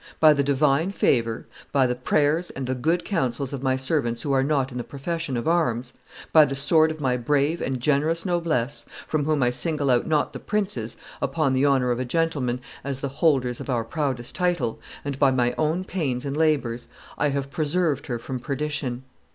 By the divine favor, by the prayers and the good counsels of my servants who are not in the profession of arms, by the sword of my brave and generous noblesse, from whom I single out not the princes, upon the honor of a gentleman, as the holders of our proudest title, and by my own pains and labors, I have preserved her from perdition.